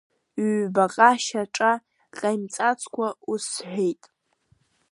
Ҩҩбаҟа шьаҿа ҟаимҵацкәа, ус сҳәеит…